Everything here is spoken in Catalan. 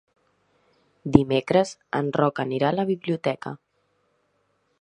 Dimecres en Roc anirà a la biblioteca.